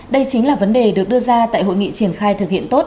đây chính là vấn đề được đưa ra tại hội nghị triển khai thực hiện tốt